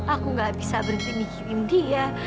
aku gak bisa berhenti mikirin dia